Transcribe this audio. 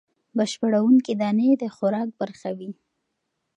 بشپړوونکې دانې د خوراک برخه وي.